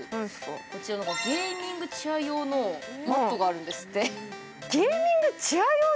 こちらゲーミングチェア用のマットがあるんですって。